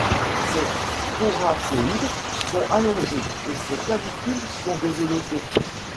Ses coracoïdes sont allongés et ses clavicules sont développées.